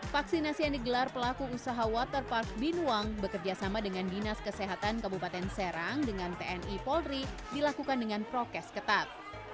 vaksinasi yang digelar pelaku usaha waterpark binuang bekerjasama dengan dinas kesehatan kabupaten serang dengan tni polri dilakukan dengan prokes ketat